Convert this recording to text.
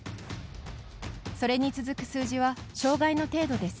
それに続く数字は障がいの程度です。